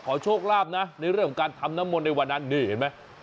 โชคลาภนะในเรื่องของการทำน้ำมนต์ในวันนั้นนี่เห็นไหม